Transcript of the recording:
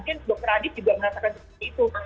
mungkin dok radit juga merasakan seperti itu